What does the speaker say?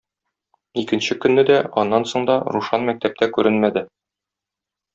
Икенче көнне дә, аннан соң да Рушан мәктәптә күренмәде.